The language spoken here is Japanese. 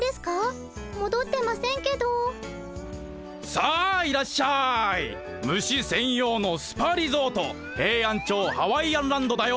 さあいらっしゃい虫専用のスパリゾートヘイアンチョウハワイアンランドだよ！